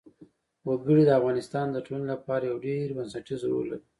وګړي د افغانستان د ټولنې لپاره یو ډېر بنسټيز رول لري.